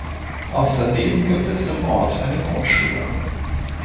Außerdem gibt es im Ort eine Grundschule.